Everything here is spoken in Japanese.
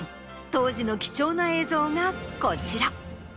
当時の貴重な映像がこちら。